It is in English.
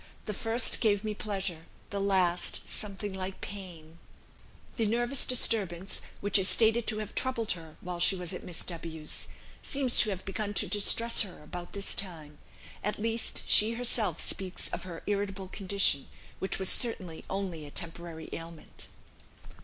The first gave me pleasure, the last something like pain." The nervous disturbance, which is stated to have troubled her while she was at Miss W 's, seems to have begun to distress her about this time; at least, she herself speaks of her irritable condition, which was certainly only a temporary ailment.